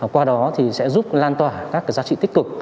qua đó thì sẽ giúp lan tỏa các giá trị tích cực